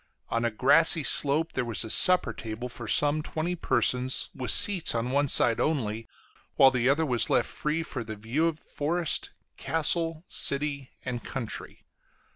On a grassy slope there was a supper table for some twenty persons, with seats on one side only, while the other was left free for the view of forest, castle, city, and country.